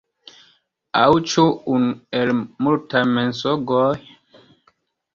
Aŭ ĉu unu el multaj mensogoj?